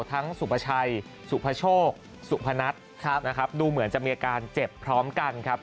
สุภาชัยสุพโชคสุพนัทนะครับดูเหมือนจะมีอาการเจ็บพร้อมกันครับ